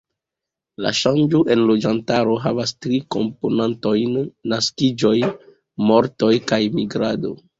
La ŝanĝo en loĝantaro havas tri komponantojn: naskiĝoj, mortoj kaj migrado.